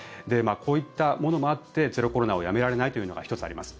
こういったものもあってゼロコロナをやめられないというのが１つあります。